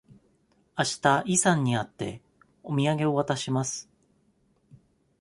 あしたイさんに会って、お土産を渡します。